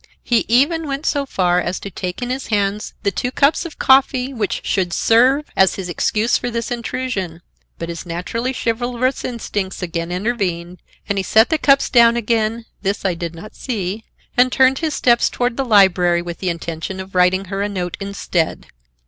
He even went so far as to take in his hands the two cups of coffee which should serve as his excuse for this intrusion, but his naturally chivalrous instincts again intervened, and he set the cups down again—this I did not see—and turned his steps toward the library with the intention of writing her a note instead.